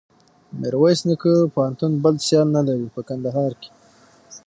میرویس نیکه پوهنتون بل سیال نلري په کندهار کښي.